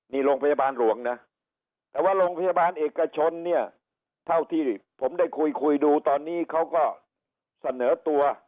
นี่โรงพยาบาลหลวงนะแต่ว่าโรงพยาบาลเอกชนเนี่ยเท่าที่ผมได้คุยคุยดูตอนนี้เขาก็เสนอตัว